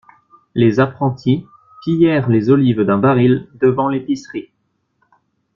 Les apprentis pillèrent les olives d'un baril devant l'épicerie.